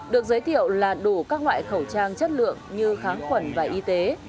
được giới thiệu là đủ các loại khẩu trang chất lượng như kháng khuẩn và y tế